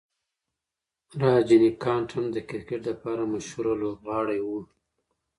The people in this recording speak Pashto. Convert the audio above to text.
راجنیکانټ هم د کرکټ د پاره مشهوره لوبغاړی و.